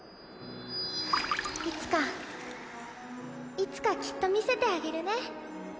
いつかいつかきっと見せてあげるね。